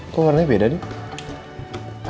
kok warnanya beda nih